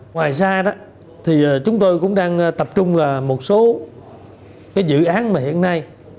ngoài ra chúng tôi cũng đang tập trung là một số dự án hiện nay